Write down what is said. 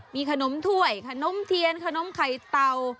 มีขนมถ้วยขนมเทียนขนมไข่เต่า